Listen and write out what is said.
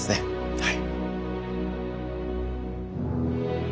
はい。